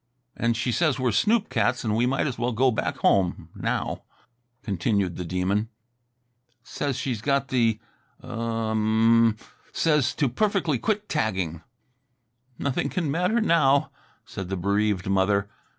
"And she says we're snoop cats and we might as well go back home now," continued the Demon. "Says she's got the u u m mm! says to perfectly quit tagging." "Nothing can matter now," said the bereaved mother.